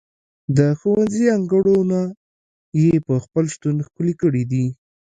د ښوونځي انګړونه یې په خپل شتون ښکلي کړي دي.